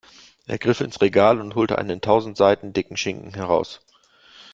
Er griff ins Regal und holte einen tausend Seiten dicken Schinken heraus.